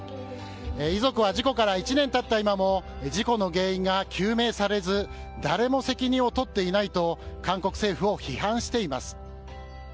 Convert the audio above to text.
遺族は事故から１年たった今も事故の原因が究明されず誰も責任を取っていないと韓国政府を批判しています。